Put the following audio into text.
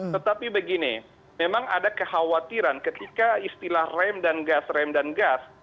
tetapi begini memang ada kekhawatiran ketika istilah rem dan gas rem dan gas